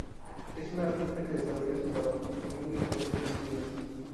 Es un artista que desarrolla su trabajo en muy diferentes disciplinas.